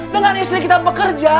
dengan istri kita bekerja